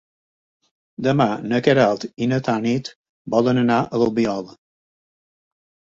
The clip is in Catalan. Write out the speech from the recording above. Demà na Queralt i na Tanit volen anar a l'Albiol.